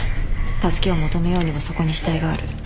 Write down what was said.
助けを求めようにもそこに死体がある。